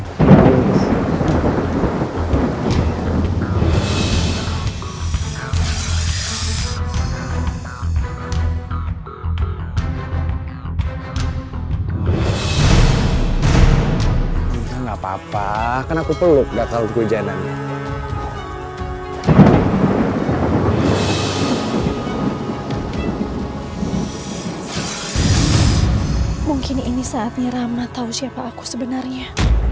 sinta gak apa apa kan aku peluk gak kalau hujan aja